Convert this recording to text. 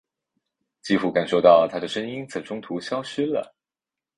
几乎感受到她的声音在中途消失了。